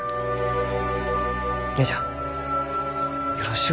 姉ちゃんよろしゅう